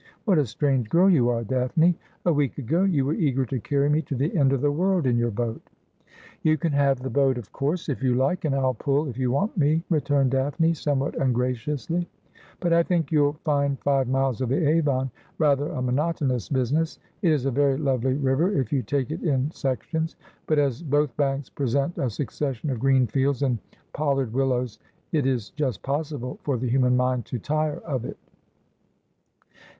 What a strange girl you are, Daphne ! A week ago you were eager to carry me to the end of the world in your boat.' ' You can have the boat, of course, if you like, and I'll pull if you want me,' returned Daphne, somewhat ungraciously ;' but I think you'll find five miles of the Avon rather a mono tonous business. It is a very lovely river if you take it in sec tions, but as both banks present a succession of green fields and pollard willows, it is just possible for the human mind to tire of it.'